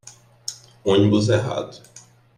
Ônibus errado